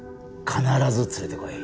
必ず連れてこい。